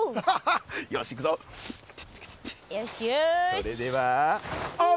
それではオープン！